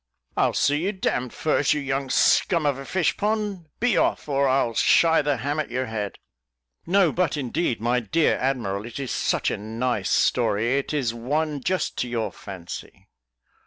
"I'd see you d d first, you young scum of a fish pond. Be off, or I'll shy the ham at your head." "No, but indeed, my dear Admiral, it is such a nice story; it is one just to your fancy."